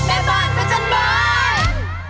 แม่บ้านเกือบใช่ไหม